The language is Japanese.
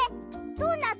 ドーナツ？